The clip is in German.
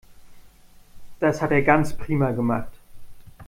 Das hat er ganz prima gemacht.